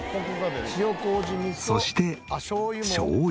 そしてしょう油。